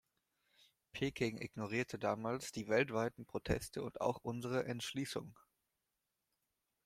Peking ignorierte damals die weltweiten Proteste und auch unsere Entschließung.